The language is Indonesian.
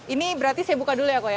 ini berarti saya buka dulu ya kok ya